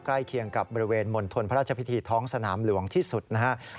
ใกล้เคียงกับบริเวณมณฑลพระราชพิธีท้องสนามหลวงที่สุดนะครับ